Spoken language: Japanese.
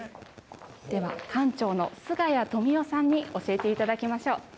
では、館長の菅谷富夫さんに教えていただきましょう。